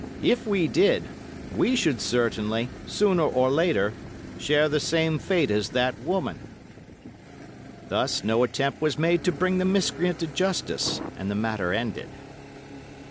If we did, we should certainly, sooner or later, share the same fate as that woman." Thus, no attempt was made to bring the miscreant to justice, and the matter ended.